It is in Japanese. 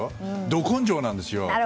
ど根性なんです。